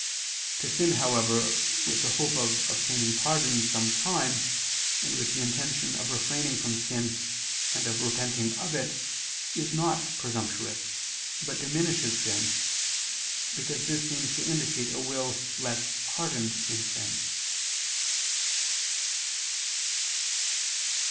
To sin, however, with the hope of obtaining pardon some time, and with the intention of refraining from sin and of repenting of it, is not presumptuous, but diminishes sin, because this seems to indicate a will less hardened in sin.